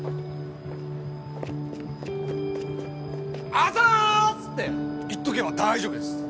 「あざす！」って言っとけば大丈夫です。